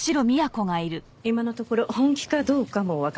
今のところ本気かどうかもわかりませんが。